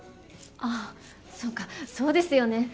あっそうかそうですよね。